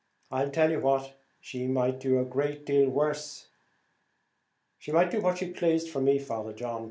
I'll tell you what she might do a deal worse." "She might do what she plased for me, Father John.